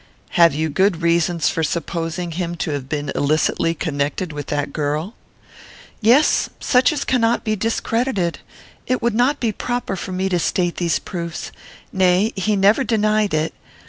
"Have you good reasons for supposing him to have been illicitly connected with that girl?" "Yes. Such as cannot be discredited. It would not be proper for me to state these proofs. Nay, he never denied it.